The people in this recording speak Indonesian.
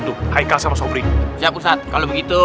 gitu kayak sama sobri ya kalau begitu